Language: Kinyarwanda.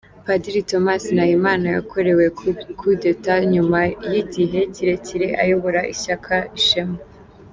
Padiri Thomas Nahimana yakorewe Coup d’Etat nyuma y’igihe kirekire ayobora ishyaka Ishema.